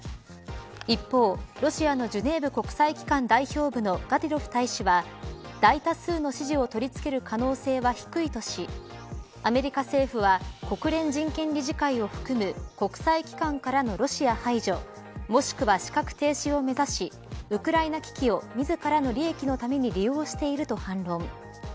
一方、ロシアのジュネーブ国際機関代表部のガティロフ大使は大多数の支持を取り付ける可能性は低いとしアメリカ政府は国連人権理事会を含む国際機関からのロシア排除もしくは資格停止を目指しウクライナ危機を自らの利益のために利用していると反論。